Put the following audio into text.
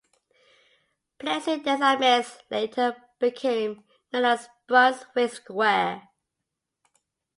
Place Des Ames later became known as Brunswick Square.